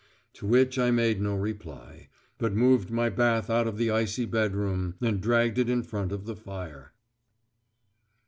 To which I made no reply, but moved my bath out of the icy bedroom and dragged it in front of the fire.